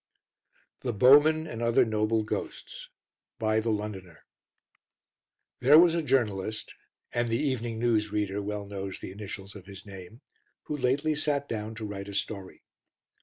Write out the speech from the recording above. The Bowmen And Other Noble Ghosts By "The Londoner" There was a journalist and the Evening News reader well knows the initials of his name who lately sat down to write a story.